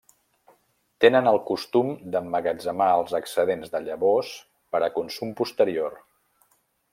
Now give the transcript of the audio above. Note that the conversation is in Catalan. Tenen el costum d'emmagatzemar els excedents de llavors per a consum posterior.